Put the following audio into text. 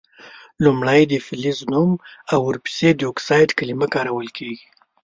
لومړۍ د فلز نوم او ور پسي د اکسایډ کلمه کارول کیږي.